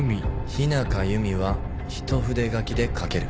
「日中弓」は一筆書きで書ける。